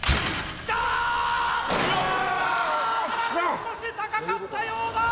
当たらず少し高かったようだ！